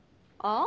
ああ！